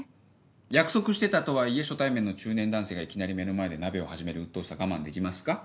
約束してたとはいえ初対面の中年男性がいきなり目の前で鍋を始めるうっとうしさ我慢できますか？